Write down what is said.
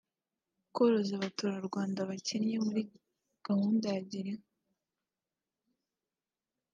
koroza abaturarwanda bakennye muri gahunda ya Girinka